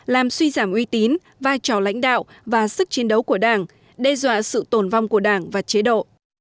làm suy giảm uy tín vai trò lãnh đạo và sức chiến đấu của đảng đe dọa sự tồn vong của đảng và chế độ